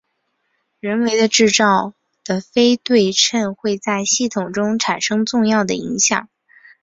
人为制造的非对称会在系统中产生重要影响。